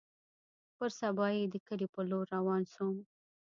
پر سبا يې د کلي په لور روان سوم.